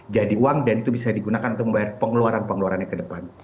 jadi uang dan itu bisa digunakan untuk membayar pengeluaran pengeluarannya ke depan